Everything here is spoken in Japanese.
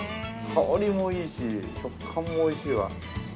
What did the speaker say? ◆香りもいいし食感もおいしいわ。